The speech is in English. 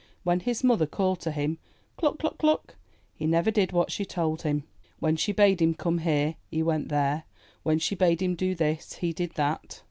When his mother called to him, ''Cluck! Cluck! Cluck!" he never did what she told him. When she bade him come here, he went there; when she bade him do this, he did that!